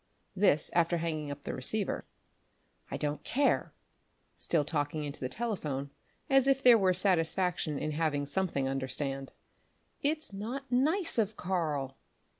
_" this after hanging up the receiver. "I don't care," still talking into the telephone, as if there were satisfaction in having something understand "it's not nice of Karl."